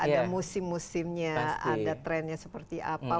ada musim musimnya ada trennya seperti apa